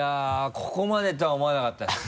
ここまでとは思わなかったです。